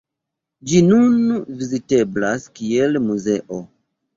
Ĝi nun viziteblas kiel muzeo.